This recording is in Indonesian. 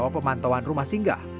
pemantauan rumah singga